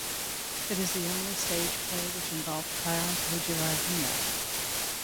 It is the only stage play which involved Clarence Wijewardena.